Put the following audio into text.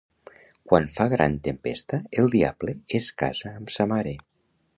Quan fa gran tempesta el diable es casa amb sa mare.